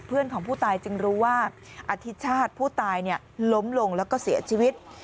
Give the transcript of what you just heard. เพื่อนของผู้ตายจึงรู้ว่าอธิชาติผู้ตายล้มลงแล้วก็เสียชีวิต